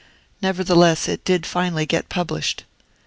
Nevertheless, it did finally get published.